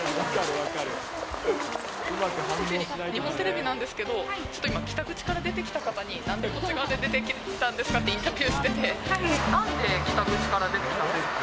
日本テレビなんですけど、ちょっと今、北口から出てきた方に、なんでこっち側で出てきたんですかってインタビューしてて、なんで北口から出てきたんですか？